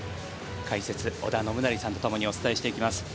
解説、織田信成さんとともにお伝えしていきます。